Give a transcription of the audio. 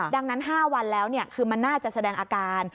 ดังนั้น๕วันแล้วคือมันน่าจะแสดงอาการ